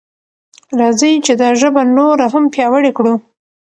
راځئ چې دا ژبه نوره هم پیاوړې کړو.